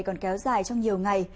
còn kéo dài trong nhiều ngày